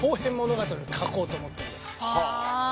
はあ。